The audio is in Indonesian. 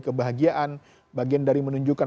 kebahagiaan bagian dari menunjukkan